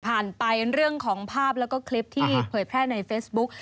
ไปเรื่องของภาพแล้วก็คลิปที่เผยแพร่ในเฟซบุ๊ก